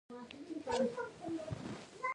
د ناصرو او سلیمان خېلو بدۍ په نیکۍ بدله شوه.